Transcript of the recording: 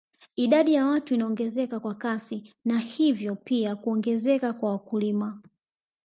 Idadi ya watu inaongezeka kwa kasi na hivyo pia kuongezeka kwa wakulima